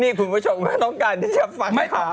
นี่คุณผู้ชมก็ต้องการได้จะฟังข่าว